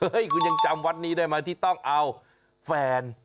คุณยังจำวัดนี้ได้ไหมที่ต้องเอาแฟน